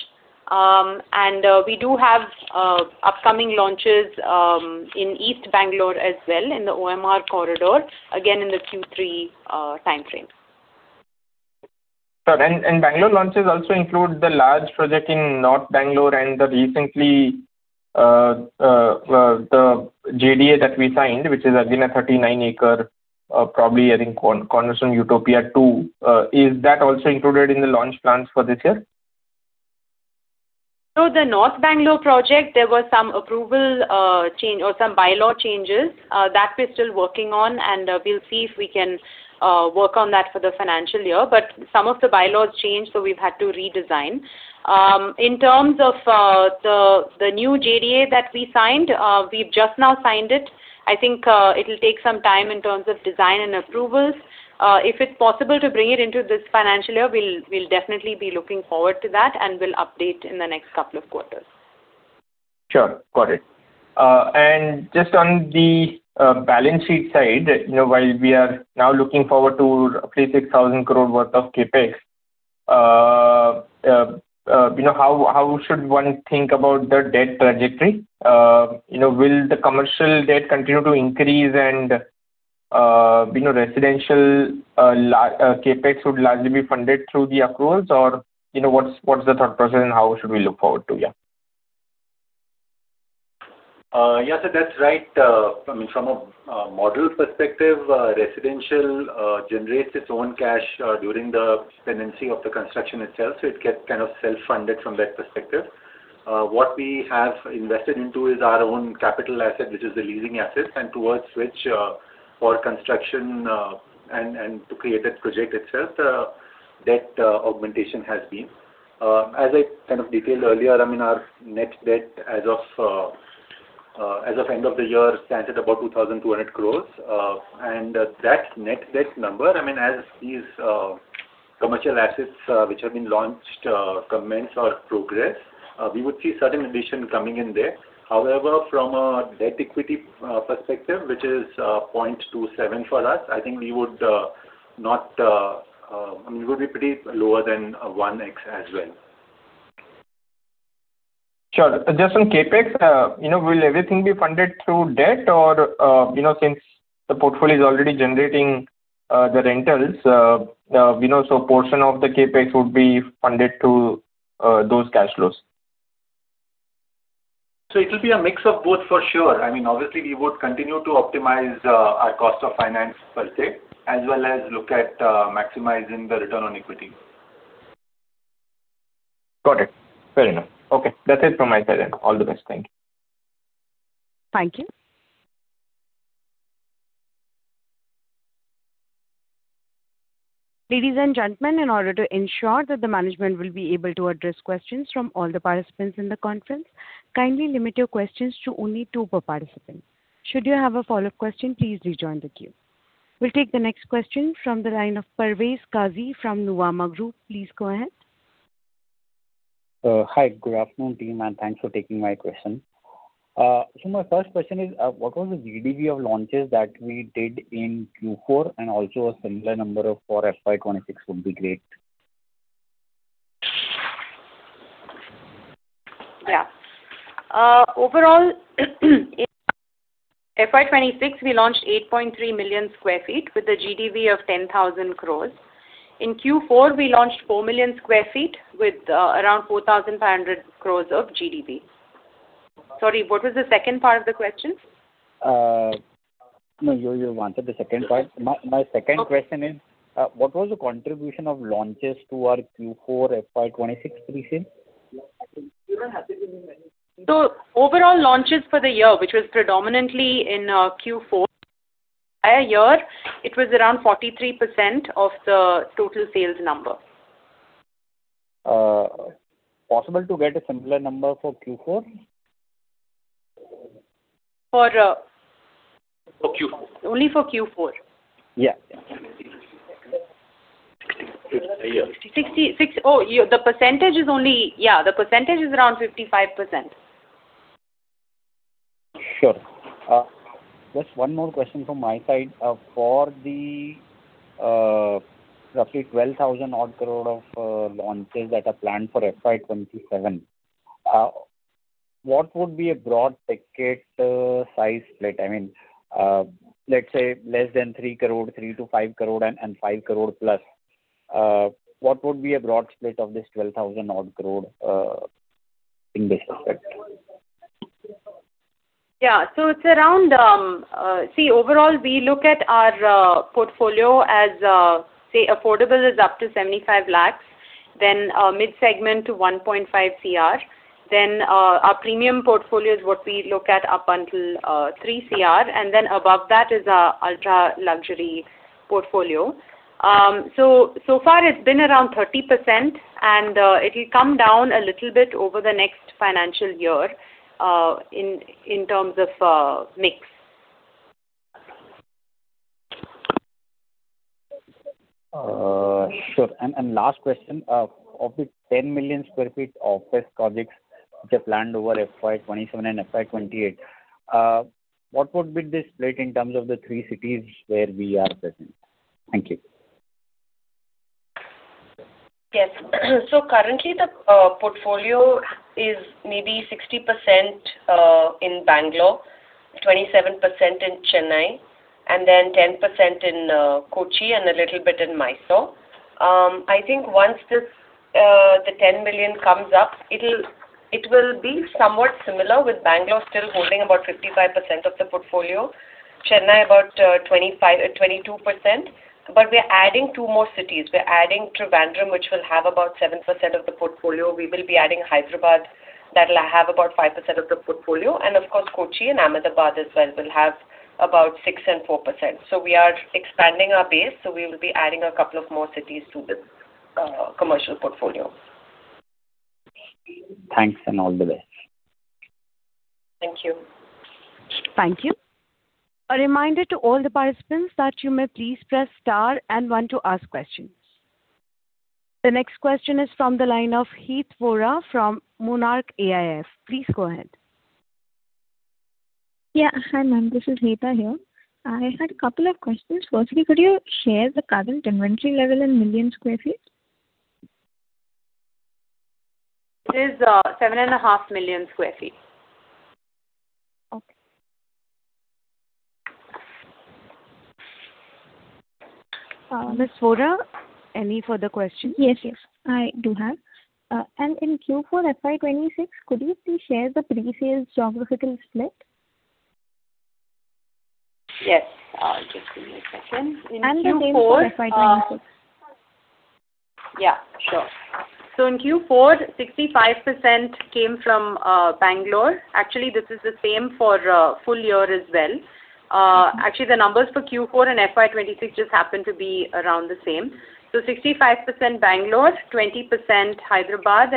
We do have upcoming launches in East Bangalore as well in the OMR corridor, again, in the Q3 timeframe. Sure. Bangalore launches also include the large project in North Bangalore and the recently, the JDA that we signed, which is, again, a 39-acre, probably adding Brigade Cornerstone Utopia 2. Is that also included in the launch plans for this year? The North Bangalore project, there was some approval, change or some bylaw changes. That we're still working on, we'll see if we can work on that for the financial year. Some of the bylaws changed, we've had to redesign. In terms of the new JDA that we signed, we've just now signed it. I think it'll take some time in terms of design and approvals. If it's possible to bring it into this financial year, we'll definitely be looking forward to that, we'll update in the next couple of quarters. Sure. Got it. Just on the balance sheet side, you know, while we are now looking forward to roughly 6,000 crore worth of CapEx, you know, how should one think about the debt trajectory? You know, will the commercial debt continue to increase and, you know, residential CapEx would largely be funded through the accruals? You know, what's the thought process and how should we look forward to? Yes, sir. That's right. I mean, from a model perspective, residential generates its own cash during the tenancy of the construction itself, so it gets kind of self-funded from that perspective. What we have invested into is our own capital asset, which is the leasing asset, and towards which, for construction, and to create that project itself, debt augmentation has been. As I kind of detailed earlier, I mean, our net debt as of end of the year stands at about 2,200 crore. That net debt number, I mean, as these commercial assets, which have been launched, commence or progress, we would see certain addition coming in there. However, from a debt equity perspective, which is 0.27 for us, I think we would be pretty lower than 1x as well. Sure. Just on CapEx, you know, will everything be funded through debt? You know, since the portfolio is already generating, the rentals, you know, so a portion of the CapEx would be funded through those cash flows. It'll be a mix of both for sure. I mean, obviously, we would continue to optimize our cost of finance per se, as well as look at maximizing the return on equity. Got it. Fair enough. Okay. That's it from my side then. All the best. Thank you. Thank you. Ladies and gentlemen, in order to ensure that the management will be able to address questions from all the participants in the conference, kindly limit your questions to only two per participant. Should you have a follow-up question, please rejoin the queue. We'll take the next question from the line of Parvez Qazi from Nuvama Group. Please go ahead. Hi. Good afternoon, team, and thanks for taking my question. My first question is, what was the GDV of launches that we did in Q4, and also a similar number for FY 2026 would be great. Yeah. overall in FY 2026, we launched 8.3 million sq ft with a GDV of 10,000 crores. In Q4, we launched 4 million sq ft with around 4,500 crores of GDV. Sorry, what was the second part of the question? No, you answered the second part. My second question is. Okay. What was the contribution of launches to our Q4 FY 2026, please say? Overall launches for the year, which was predominantly in Q4, year, it was around 43% of the total sales number. Possible to get a similar number for Q4? For, uh. For Q4. Only for Q4. Yeah. Yeah. 60. 66. Oh, the percentage is only, Yeah, the percentage is around 55%. Sure. Just one more question from my side. For the, roughly 12,000 crore of, launches that are planned for FY 2027, what would be a broad ticket size split? I mean, let's say less than 3 crore, 3 crore-5 crore, and 5 crore+. What would be a broad split of this 12,000 crore, in this aspect? Yeah. It's around, see, overall, we look at our portfolio as, say affordable is up to 75 lakhs, then mid-segment to 1.5 crore. Then our premium portfolio is what we look at up until 3 crore, and then above that is our ultra-luxury portfolio. So far it's been around 30%, and it'll come down a little bit over the next financial year, in terms of mix. Sure. Last question, of the 10 million sq ft of fresh projects which are planned over FY 2027 and FY 2028. What would be the split in terms of the three cities where we are present? Thank you. Yes. Currently the portfolio is maybe 60% in Bangalore, 27% in Chennai, and 10% in Kochi and a little bit in Mysore. I think once this the 10 million comes up, it will be somewhat similar, with Bangalore still holding about 55% of the portfolio, Chennai about 25, 22%. We are adding two more cities. We are adding Trivandrum, which will have about 7% of the portfolio. We will be adding Hyderabad, that will have about 5% of the portfolio. Of course, Kochi and Ahmedabad as well will have about 6% and 4%. We are expanding our base, we will be adding a couple of more cities to this commercial portfolio. Thanks, and all the best. Thank you. Thank you. A reminder to all the participants that you may please press star and 1 to ask questions. The next question is from the line of Heta Vora from Monarch AIF. Please go ahead. Hi, ma'am. This is Heta here. I had a couple of questions. Firstly, could you share the current inventory level in million sq ft? It is, 7.5 Million sq ft. Okay. Ms. Vora, any further questions? Yes, yes. I do have. In Q4 FY 2026, could you please share the pre-sales geographical split? Yes. Just give me a second. In Q4. The same for FY 2026. Yeah, sure. In Q4, 65% came from Bangalore. Actually, this is the same for full year as well. Actually, the numbers for Q4 and FY 2026 just happen to be around the same. 65% Bangalore, 20% Hyderabad,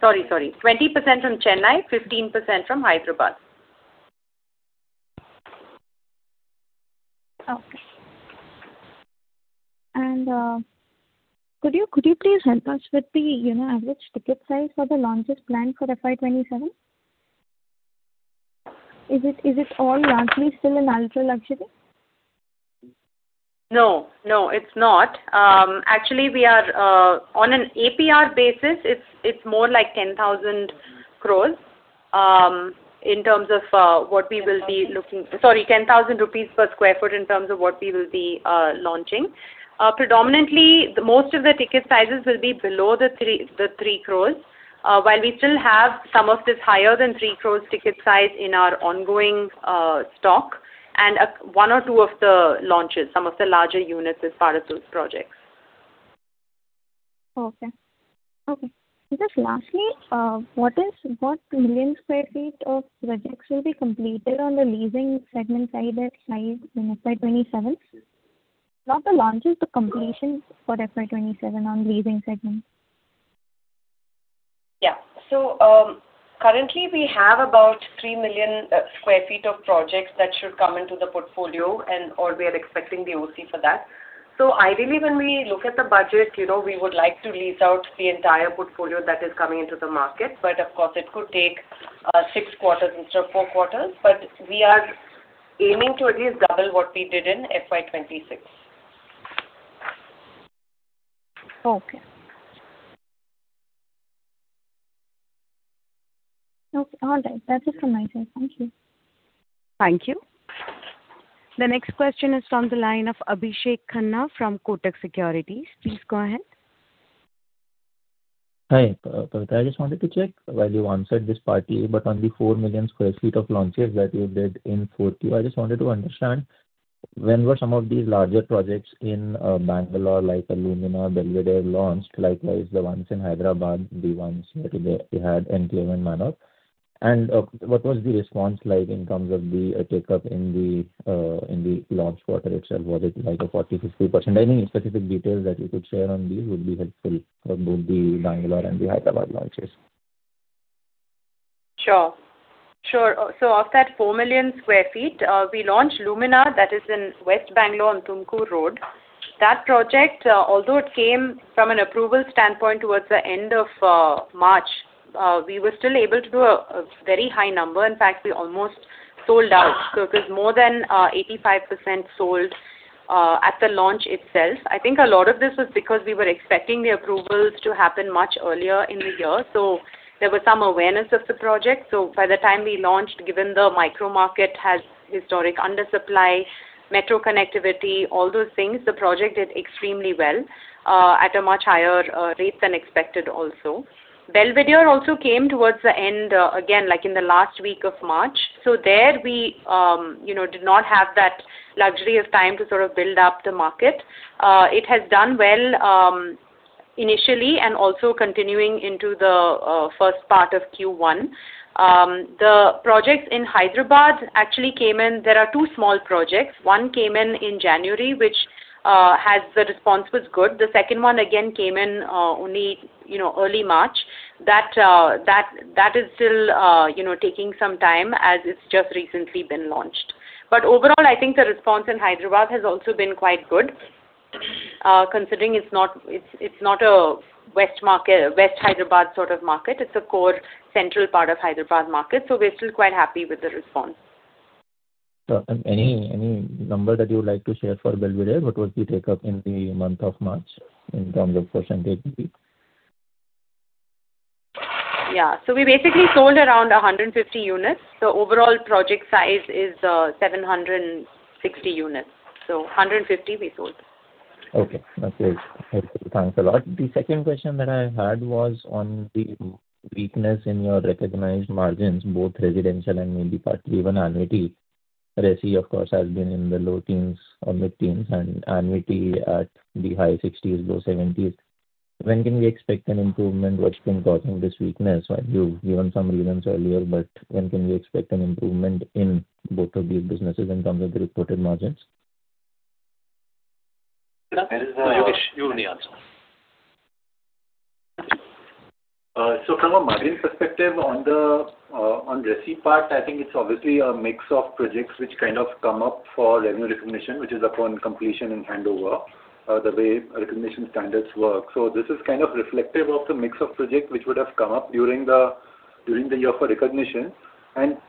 Sorry, sorry. 20% from Chennai, 15% from Hyderabad. Okay. Could you please help us with the, you know, average ticket size for the launches planned for FY 2027? Is it all largely still in ultra-luxury? No, no, it's not. Actually, we are on an APR basis, it's more like 10,000 crores. 10,000. Sorry, 10,000 rupees per square foot in terms of what we will be launching. Predominantly, most of the ticket sizes will be below the 3 crores. While we still have some of this higher than 3 crores ticket size in our ongoing stock, and one or two of the launches, some of the larger units as part of those projects. Okay. Okay. Just lastly, what million sq ft of projects will be completed on the leasing segment side at site in FY 2027? Not the launches, the completion for FY 2027 on leasing segment. Currently we have about 3 million sq ft of projects that should come into the portfolio and, or we are expecting the OC for that. Ideally, when we look at the budget, you know, we would like to lease out the entire portfolio that is coming into the market, but of course, it could take six quarters instead of four quarters. But we are aiming to at least double what we did in FY 2026. Okay. Okay, all right. That's it from my side. Thank you. Thank you. The next question is from the line of Abhishek Khanna from Kotak Securities. Please go ahead. Hi. Pavitra, I just wanted to check. While you answered this part to you, but on the 4 million sq ft of launches that you did in Q4, I just wanted to understand when were some of these larger projects in Bangalore, like Lumina, Belvedere, launched. Likewise, the ones in Hyderabad, the ones, you know, Citadel had Enclave and Manor. What was the response like in terms of the take-up in the launch quarter itself? Was it like a 40%-50%? Any specific details that you could share on these would be helpful for both the Bangalore and the Hyderabad launches. Sure. Sure. Of that 4 million sq ft, we launched Lumina, that is in West Bangalore on Tumkur Road. That project, although it came from an approval standpoint towards the end of March, we were still able to do a very high number. In fact, we almost sold out. It was more than 85% sold at the launch itself. I think a lot of this was because we were expecting the approvals to happen much earlier in the year, so there was some awareness of the project. By the time we launched, given the micro market has historic undersupply, metro connectivity, all those things, the project did extremely well at a much higher rate than expected also. Belvedere also came towards the end, again, like in the last week of March. There we, you know, did not have that luxury of time to sort of build up the market. It has done well, initially and also continuing into the first part of Q1. The projects in Hyderabad actually came in. There are two small projects. One came in in January, which, has, the response was good. The second one again came in, only, you know, early March. That is still, you know, taking some time as it's just recently been launched. Overall, I think the response in Hyderabad has also been quite good, considering it's not a west market, west Hyderabad sort of market. It's a core central part of Hyderabad market, so we're still quite happy with the response. Any number that you would like to share for Belvedere? What was the take-up in the month of March in terms of percentage? Yeah. We basically sold around 150 units. The overall project size is 760 units. 150 we sold. Okay. That's great. Okay, thanks a lot. The second question that I had was on the weakness in your recognized margins, both residential and maybe partly even annuity. Resi, of course, has been in the low teens or mid-teens, and annuity at the high 60s, low 70s. When can we expect an improvement? What's been causing this weakness? You've given some reasons earlier, when can we expect an improvement in both of these businesses in terms of the reported margins? There is a. Yogesh, you have the answer. From a margin perspective on the resi part, I think it's obviously a mix of projects which kind of come up for revenue recognition, which is upon completion and handover, the way recognition standards work. This is kind of reflective of the mix of project which would have come up during the year for recognition.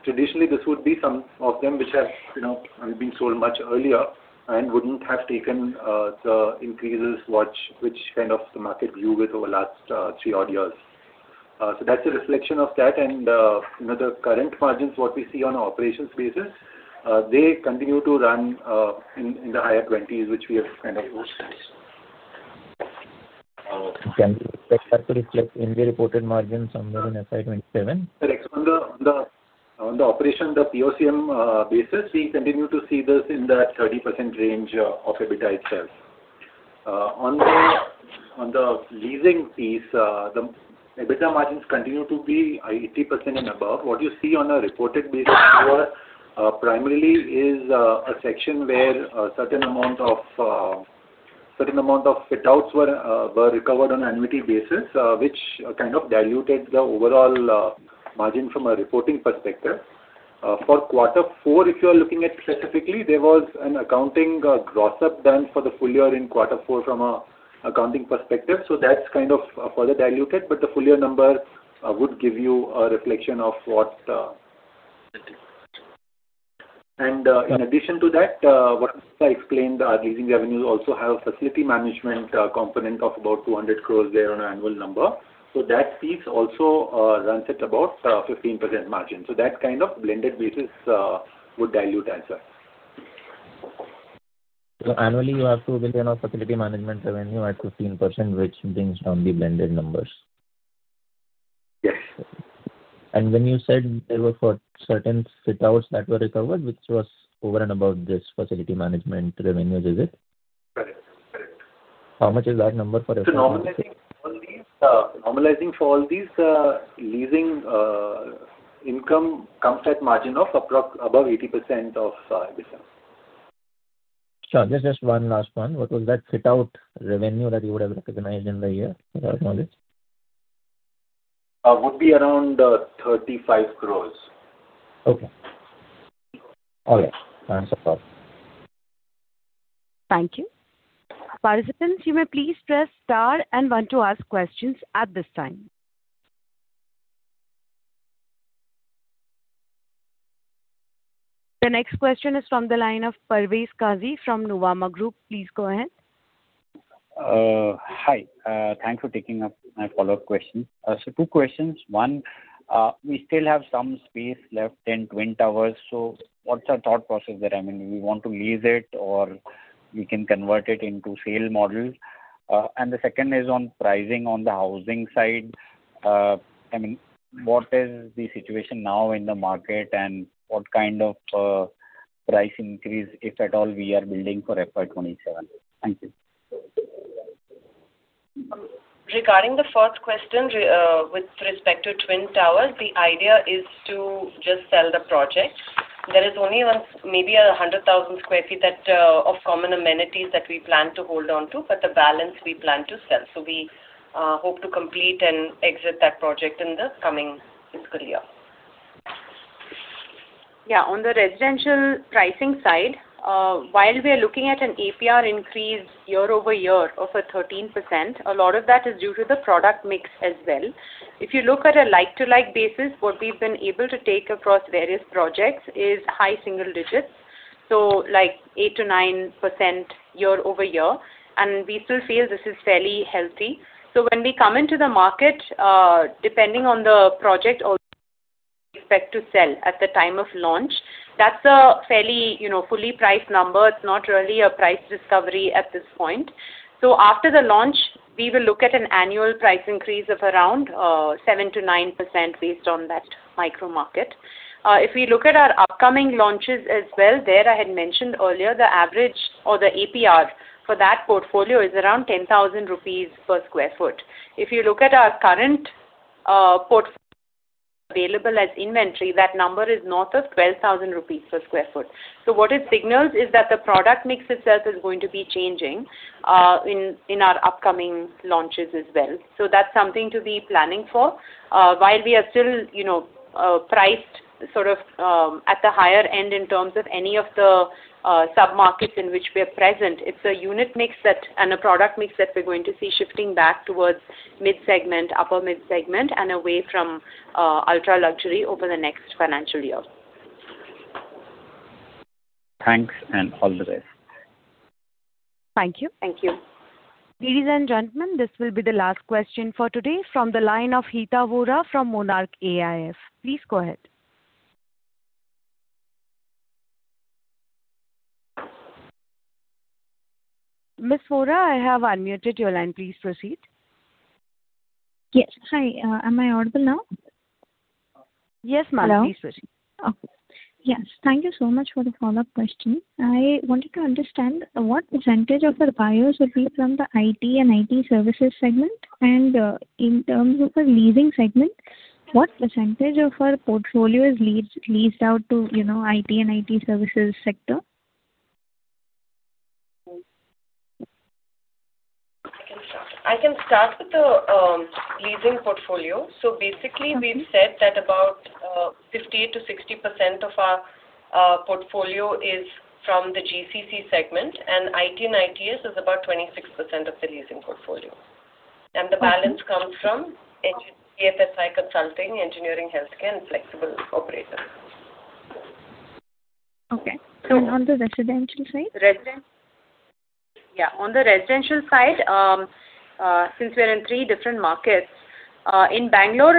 Traditionally, this would be some of them which have, you know, have been sold much earlier and wouldn't have taken the increases which kind of the market view with over last three odd years. That's a reflection of that. You know, the current margins, what we see on operations basis, they continue to run in the higher 20s. Can that actually reflect in the reported margins somewhere in FY 2027? Correct. On the operation, the POCM basis, we continue to see this in that 30% range of EBITDA itself. On the leasing piece, the EBITDA margins continue to be 80% and above. What you see on a reported basis lower, primarily is a section where a certain amount of fit outs were recovered on an annuity basis, which kind of diluted the overall margin from a reporting perspective. For Q4, if you are looking at specifically, there was an accounting gross up done for the full year in Q4 from an accounting perspective. That's kind of further diluted, but the full year number would give you a reflection. In addition to that, what I explained, our leasing revenues also have a facility management component of about 200 crore there on an annual number. That piece also runs at about 15% margin. That kind of blended basis would dilute as well. Annually, you have INR 2 billion of facility management revenue at 15%, which brings down the blended numbers? Yes. When you said there were for certain fit outs that were recovered, which was over and above this facility management revenues, is it? Correct. Correct. How much is that number for FY 2027? Normalizing for all these, leasing income comes at margin of approx 80% of EBITDA. Sure. Just one last one. What was that fit out revenue that you would have recognized in the year, to your knowledge? Would be around 35 crores. Okay. All right. Thanks a lot. Thank you. The next question is from the line of Parvez Qazi from Nuvama Group. Please go ahead. Hi. Thanks for taking up my follow-up question. Two questions. One, we still have some space left in Twin Towers. What's our thought process there? I mean, we want to lease it or we can convert it into sale model. The second is on pricing on the housing side. I mean, what is the situation now in the market and what kind of price increase, if at all, we are building for FY 2027? Thank you. Regarding the first question with respect to Twin Towers, the idea is to just sell the project. There is only one, maybe 100,000 sq ft that of common amenities that we plan to hold on to, but the balance we plan to sell. We hope to complete and exit that project in the coming fiscal year. Yeah. On the residential pricing side, while we are looking at an APR increase year-over-year of 13%, a lot of that is due to the product mix as well. If you look at a like-to-like basis, what we've been able to take across various projects is high single digits, so like 8%-9% year-over-year. We still feel this is fairly healthy. When we come into the market, depending on the project or expect to sell at the time of launch, that's a fairly, you know, fully priced number. It's not really a price discovery at this point. After the launch, we will look at an annual price increase of around 7%-9% based on that micro market. If we look at our upcoming launches as well, there I had mentioned earlier, the average or the APR for that portfolio is around 10,000 rupees per square foot. If you look at our current available as inventory, that number is north of 12,000 rupees per square foot. What it signals is that the product mix itself is going to be changing in our upcoming launches as well. That's something to be planning for. While we are still, you know, priced sort of, at the higher end in terms of any of the sub-markets in which we're present, it's a unit mix that and a product mix that we're going to see shifting back towards mid-segment, upper mid-segment, and away from ultra-luxury over the next financial year. Thanks, and all the best. Thank you. Thank you. Ladies and gentlemen, this will be the last question for today from the line of Heta Vora from Monarch AIF. Please go ahead. Miss Vora, I have unmuted your line. Please proceed. Yes. Hi. Am I audible now? Yes, ma'am. Hello. Please proceed. Okay. Yes. Thank you so much for the follow-up question. I wanted to understand what percentage of your buyers will be from the IT and IT services segment. In terms of the leasing segment, what percentage of our portfolio is leased out to, you know, IT and IT services sector? I can start with the leasing portfolio. We've said that about 50%-60% of our portfolio is from the GCC segment, and IT and ITES is about 26% of the leasing portfolio. Okay. The balance comes from BFSI consulting, engineering, healthcare, and flexible operators. Okay. on the residential side? Yeah, on the residential side, since we're in three different markets, in Bangalore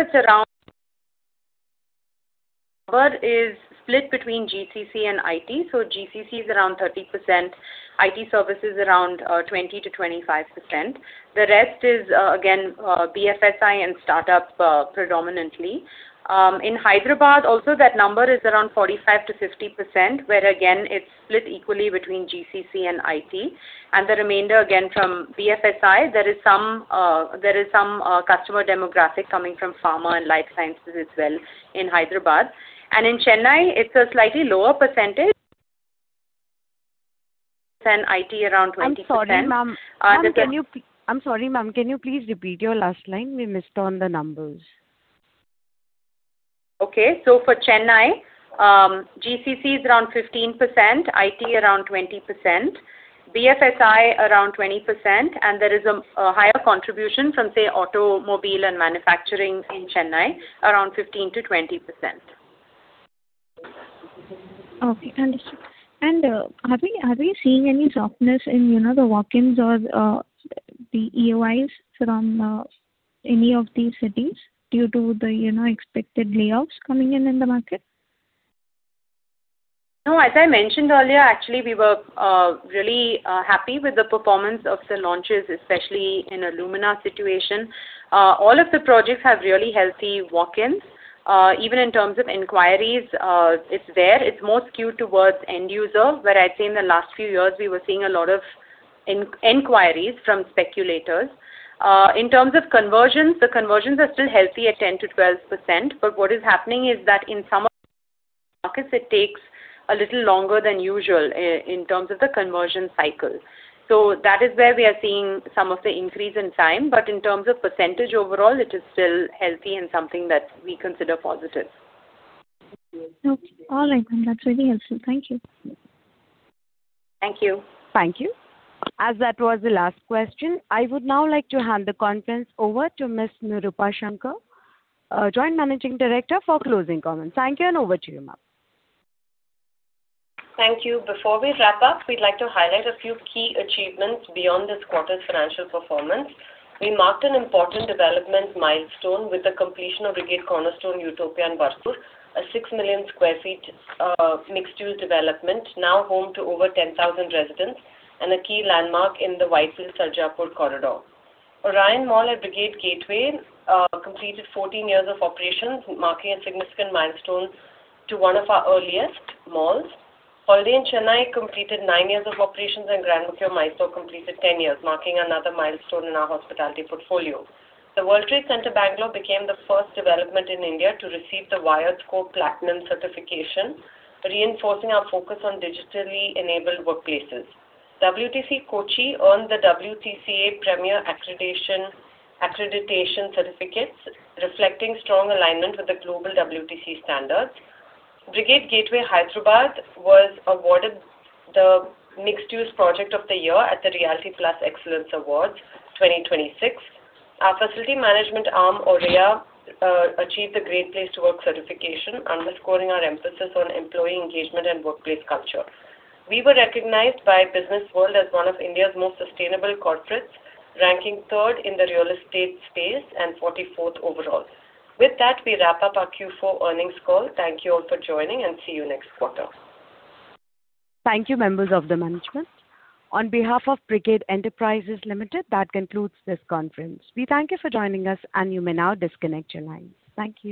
it's split between GCC and IT. GCC is around 30%, IT services around 20%-25%. The rest is again BFSI and startup predominantly. In Hyderabad also that number is around 45%-50%, where again it's split equally between GCC and IT. The remainder again from BFSI. There is some customer demographic coming from pharma and life sciences as well in Hyderabad. In Chennai, it's a slightly lower percentage. IT around 20%. I'm sorry, ma'am. Uh, the. I'm sorry, ma'am. Can you please repeat your last line? We missed on the numbers. For Chennai, GCC is around 15%, IT around 20%, BFSI around 20%, and there is a higher contribution from, say, automobile and manufacturing in Chennai, around 15%-20%. Okay, understood. Are we seeing any softness in, you know, the walk-ins or, the EOIs from, any of these cities due to the, you know, expected layoffs coming in in the market? As I mentioned earlier, actually we were really happy with the performance of the launches, especially in Brigade Lumina situation. All of the projects have really healthy walk-ins. Even in terms of inquiries, it's there. It's more skewed towards end user, where I'd say in the last few years we were seeing a lot of inquiries from speculators. In terms of conversions, the conversions are still healthy at 10%-12%. What is happening is that in some of the markets it takes a little longer than usual in terms of the conversion cycle. That is where we are seeing some of the increase in time. In terms of percentage overall, it is still healthy and something that we consider positive. Okay. All right. That's really helpful. Thank you. Thank you. Thank you. As that was the last question, I would now like to hand the conference over to Miss Nirupa Shankar, Joint Managing Director, for closing comments. Thank you. Over to you, ma'am. Thank you. Before we wrap up, we'd like to highlight a few key achievements beyond this quarter's financial performance. We marked an important development milestone with the completion of Brigade Cornerstone Utopia in Varthur, a 6 million sq ft mixed-use development, now home to over 10,000 residents and a key landmark in the Whitefield Sarjapur Corridor. Orion Mall at Brigade Gateway completed 14 years of operations, marking a significant milestone to one of our earliest malls. Holiday Inn Chennai completed nine years of operations, and Grand Mercure Mysore completed 10 years, marking another milestone in our hospitality portfolio. The World Trade Center Bengaluru became the first development in India to receive the WiredScore Platinum certification, reinforcing our focus on digitally enabled workplaces. WTC Kochi earned the WTCA Premier accreditation certificates, reflecting strong alignment with the global WTC standards. Brigade Gateway, Hyderabad was awarded the Mixed-Use Project of the Year at the Realty+ Conclave & Excellence Awards 2026. Our facility management arm, Orion, achieved the Great Place to Work certification, underscoring our emphasis on employee engagement and workplace culture. We were recognized by BW Businessworld as one of India's most sustainable corporates, ranking third in the real estate space and 44th overall. With that, we wrap up our Q4 earnings call. Thank you all for joining, and see you next quarter. Thank you, members of the management. On behalf of Brigade Enterprises Limited, that concludes this conference. We thank you for joining us. You may now disconnect your lines. Thank you.